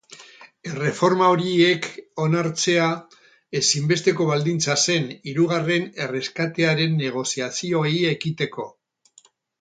Erreforma horiek onartzea ezinbesteko baldintza zen, hirugarren erreskatearen negoziazioei ekiteko.